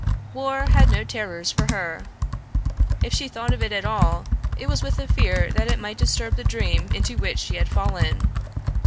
War had no terrors for her. If she thought of it at all, it was with the fear that it might disturb the dream into which she had fallen.